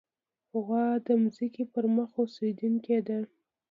غوا د ځمکې پر مخ اوسېدونکې ده.